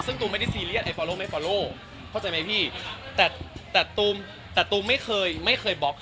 ตูมไม่ได้ซีเรียส